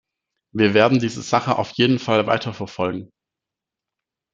Wir werden diese Sache auf jeden Fall weiterverfolgen.